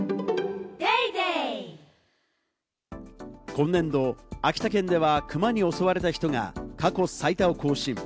今年度、秋田県ではクマに襲われた人が過去最多を更新。